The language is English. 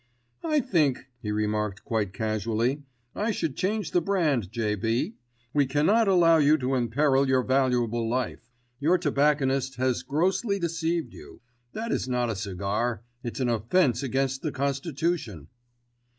"I think," he remarked quite casually, "I should change the brand, J.B. We cannot allow you to imperil your valuable life. Your tobacconist has grossly deceived you. That is not a cigar, it's an offence against the constitution."